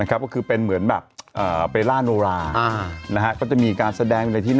นะครับก็คือเป็นเหมือนแบบอ่าเปรราโนราอ่านะฮะก็จะมีการแสดงในที่นั่น